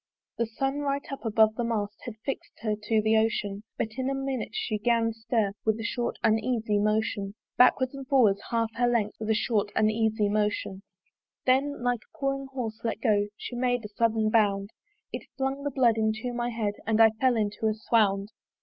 The sun right up above the mast Had fix'd her to the ocean: But in a minute she 'gan stir With a short uneasy motion Backwards and forwards half her length With a short uneasy motion. Then, like a pawing horse let go, She made a sudden bound: It flung the blood into my head, And I fell into a swound.